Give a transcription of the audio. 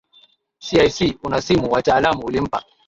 sic unasimu wataalamu ulimpa